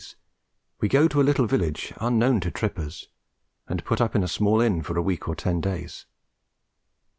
's, we go to a little village unknown to "trippers," and put up at a small inn for a week or ten days.